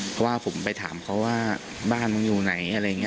เพราะว่าผมไปถามเขาว่าบ้านมึงอยู่ไหนอะไรอย่างนี้